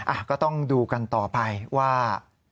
ก็ต้องดูกันต่อไปว่า